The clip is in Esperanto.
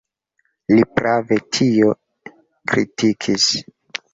Li prave tion kritikis.